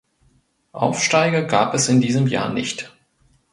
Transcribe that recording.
Aufsteiger gab es in diesem Jahr nicht.